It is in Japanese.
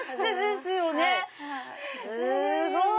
すごい！